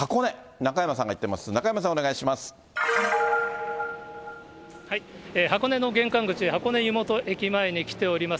中山さん、箱根の玄関口、箱根湯本駅前に来ております。